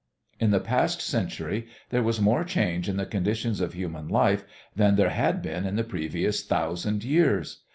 In the past century there was more change in the conditions of human life than there had been in the previous thousand years.